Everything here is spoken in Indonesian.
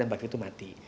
dan bakteri itu mati